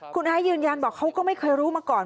คุณไอซ์ยืนยันบอกเขาก็ไม่เคยรู้มาก่อน